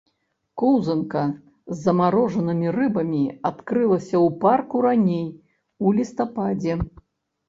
Коўзанка з замарожанымі рыбамі адкрылася ў парку раней у лістападзе.